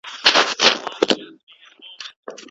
د پروان توت بې شیرې نه دي.